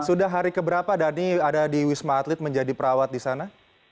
sudah hari keberapa dhani ada di wisma atlet menjadi perawat di sana